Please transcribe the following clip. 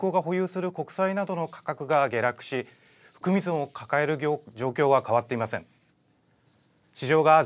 急速な利上げによって銀行が保有する国債などの価格が下落し、含み損を抱える状況は変わっていません。